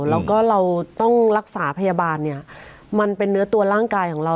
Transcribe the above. แล้วก็เราต้องรักษาพยาบาลเนี่ยมันเป็นเนื้อตัวร่างกายของเรา